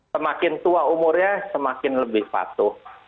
semakin tua umurnya semakin lebih patuh